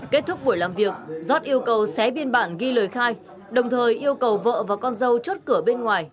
kết thúc buổi làm việc giót yêu cầu xé biên bản ghi lời khai đồng thời yêu cầu vợ và con dâu chốt cửa bên ngoài